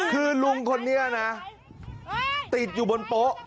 คือลุงคนนี้นะติดอยู่บนโป๊ะ